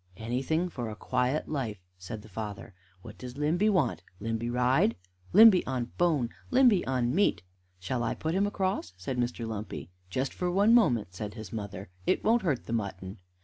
"Anything for a quiet life," said the father. "What does Limby want? Limby ride?" "Limby on bone! Limby on meat!" "Shall I put him across?" said Mr. Lumpy. "Just for one moment," said his mother; "it won't hurt the mutton."